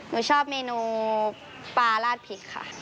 หนูชอบเมนูปลาราดพริกค่ะ